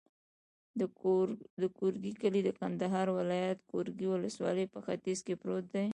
د ګورکي کلی د کندهار ولایت، ګورکي ولسوالي په ختیځ کې پروت دی.